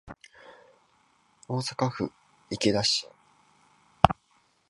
大阪府池田市